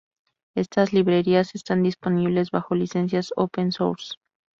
Estas librerías están disponibles bajo licencias open source.